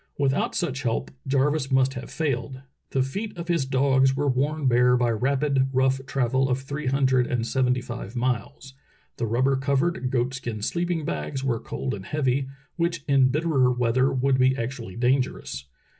Without such help Jarvis must have failed. The feet of his dogs were worn bare by rapid, rough travel of three hundred and sevent3^ five miles, the rubber covered, goat skin sleep ing bags were cold and heavy, which in bitterer weather would be actually dangerous.